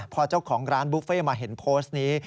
พอเจ้าของร้านบุฟเฟ่มาเห็นโพสต์นี้